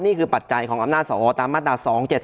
นี่คือผัดใจของอำนาจสอวอลตาม้าตรา